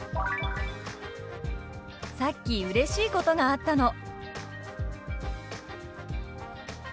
「さっきうれしいことがあったの」。